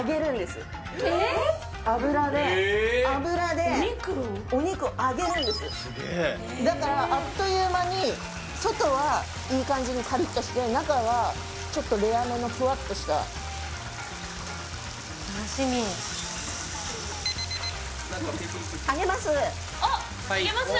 すげえだからあっという間に外はいい感じにカリッとして中はちょっとレアめのふわっとした楽しみあげますあっあげます